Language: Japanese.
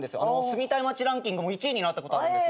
住みたい街ランキングも１位になったことあるんですよ。